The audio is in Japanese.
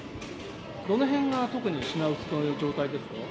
どのへんが特に品薄という状態ですか？